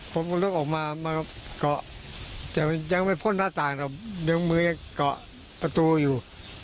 ผมลึกออกมาก็เกาะยังไม่พลหน้าต่างแต่มือเกาะประตูอยู่